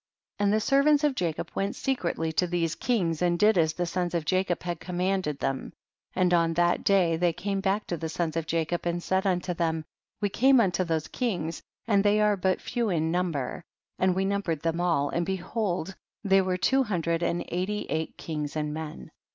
35. And the servants of Jacob went secretly to these kings, and did as the sons of Jacob had commanded them, and on that day they came back to the sons of Jacob, and said unto them, we came unto those kings, and they are but few in number, and we numbered them all, and behold, they were two hundred and eighty eight, kings and men.